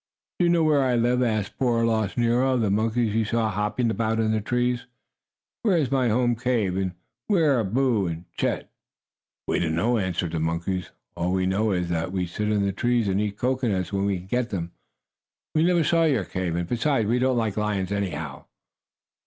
"Do you know where I live?" asked poor, lost Nero of the monkeys he saw hopping about in the trees. "Where is my home cave? And where are Boo and Chet?" "We don't know," answered the monkeys. "All we know is that we sit in the trees and eat coconuts when we can get them. We never saw your cave, and, besides, we don't like lions, anyhow."